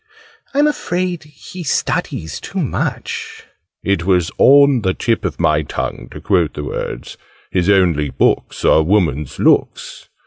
I'm afraid he studies too much " It was 'on the tip of my tongue' to quote the words "His only books are woman's looks!"